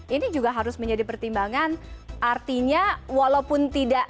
ini juga harus menjadi pertimbangan artinya walaupun tidak